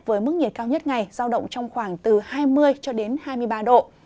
với mức nhiệt cao nhất ngày giao động trong khoảng từ hai mươi cho đến hai mươi ba độ